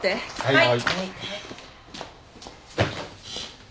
はい。